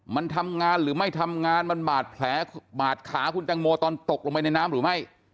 มันทำงานหรือไม่ทำงานมันบาดแผลบาดขาคุณแตงโมตอนตกลงไปในน้ำหรือไม่